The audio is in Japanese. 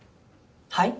はい？